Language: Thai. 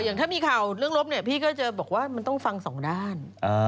อย่างถ้ามีข่าวเรื่องลบเนี่ยพี่ก็จะบอกว่ามันต้องฟังสองด้าน